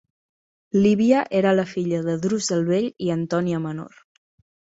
Lívia era la filla de Drus el Vell i Antònia Menor.